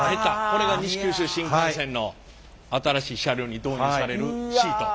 これが西九州新幹線の新しい車両に導入されるシート。